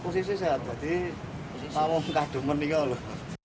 kondisi ini pas ditarik tidak tambah